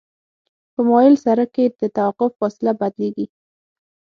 په مایل سرک کې د توقف فاصله بدلیږي